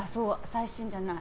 最新じゃない。